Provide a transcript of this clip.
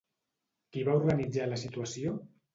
Qui va organitzar la situació?